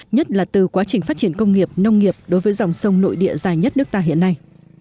nhất là từ quá trình phát triển công nghiệp nông nghiệp đối với dòng sông nội địa dài nhất nước ta hiện nay